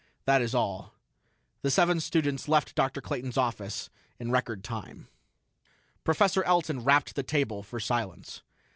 That is all." The seven students left Dr. Clayton's office in record time. Professor Elton rapped the table for silence.